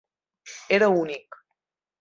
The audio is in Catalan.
Era únic.